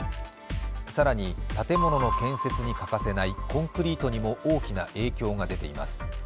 更に、建物の建設に欠かせないコンクリートにも大きな影響が出ています。